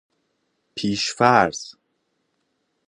پیش فرض